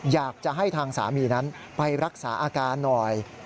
อยากจะให้ทางสามีนั้นไปรักษาอาการหน่อย